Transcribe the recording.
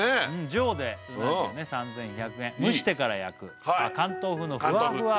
上で３１００円蒸してから焼く関東風のふわふわ